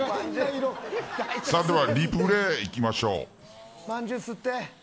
それではリプレーいきましょう。